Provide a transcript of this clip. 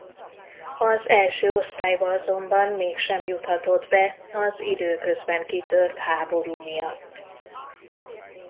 Az első osztályba azonban mégsem juthatott be az időközben kitört háború miatt.